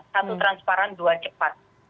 satu transparan dua cepat